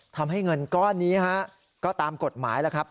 ทำให้เงินก้อนนี้ฮะก็ตามกฎหมายแล้วครับ